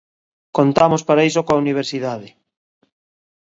Contamos para iso coa universidade.